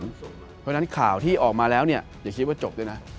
เพราะฉะนั้นข่าวที่ออกมาแล้วเนี่ยอย่าคิดว่าจบด้วยนะ